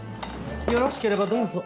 よろしければどうぞ。